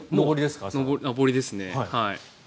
上りですね。